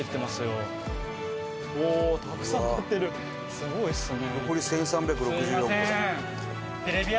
すごいですね。